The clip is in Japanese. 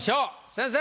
先生。